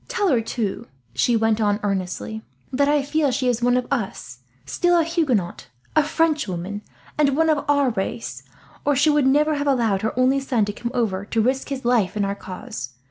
"Tell her, too," she went on earnestly, "that I feel she is one of us; still a Huguenot, a Frenchwoman, and one of our race, or she would never have allowed her only son to come over, to risk his life in our cause.